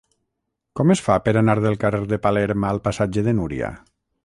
Com es fa per anar del carrer de Palerm al passatge de Núria?